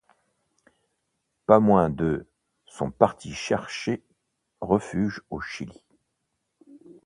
Pas moins de sont parties chercher refuge au Chili.